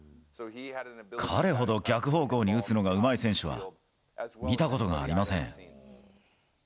彼ほど逆方向に打つのがうまい選手は見たことがありません。